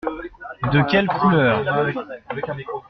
De quelle couleur ?